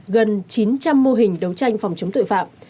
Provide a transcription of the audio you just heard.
gần chín trăm linh mô hình đấu tranh phòng chống tội phạm